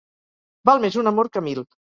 Val més un amor que mil.